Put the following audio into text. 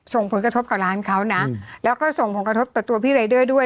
ส่งผลกระทบกับร้านเขานะแล้วก็ส่งผลกระทบต่อตัวพี่รายเดอร์ด้วย